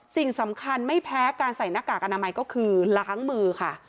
สิ่งสำคัญไม่แพ้การใส่หน้ากากอนามัยก็คือล้างมือค่ะ